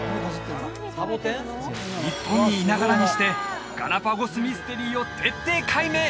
日本にいながらにしてガラパゴスミステリーを徹底解明！